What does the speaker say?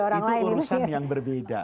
orang lain itu urusan yang berbeda